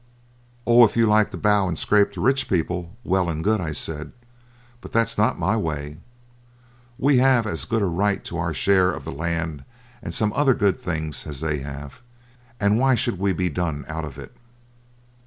'Oh! if you like to bow and scrape to rich people, well and good,' I said; 'but that's not my way. We have as good a right to our share of the land and some other good things as they have, and why should we be done out of it?'